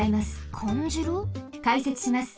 かいせつします。